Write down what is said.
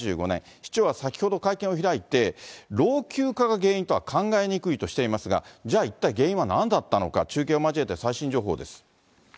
市長は先ほど会見を開いて、老朽化が原因とは考えにくいとはしていますが、じゃあ、一体原因はなんだったのか、中継を交えて最新情報です。